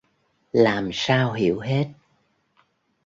Làm sao hiểu hết